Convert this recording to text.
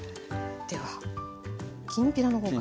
ではきんぴらの方から。